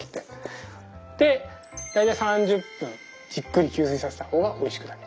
で大体３０分じっくり吸水させた方がおいしくなる。